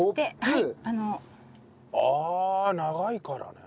ああ長いからね。